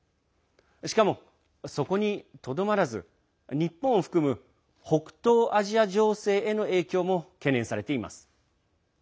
しかも、そこにとどまらず日本を含む北東アジア情勢への影響も懸念されています。